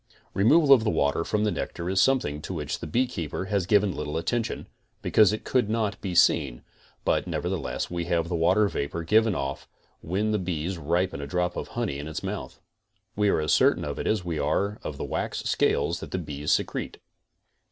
Removal of the water from the nectar is something to which the beekeeper has given little attention, because it could not be seen, but nevertheless we have the water vapor given off when the bee ripens a drop of honey in his mouth. We aré as certain of it as we are of the wax scales that the bees secrete.